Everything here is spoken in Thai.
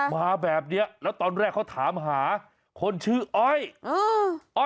มาแบบเนี้ยแล้วตอนแรกเขาถามหาคนชื่ออ้อยเอออ้อย